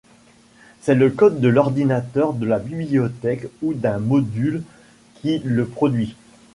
C’est le code de l’ordinateur de la bibliothèque ou d’un module qui le produit.